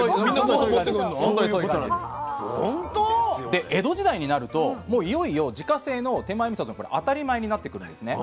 で江戸時代になるともういよいよ自家製の手前みそが当たり前になってくるんですね。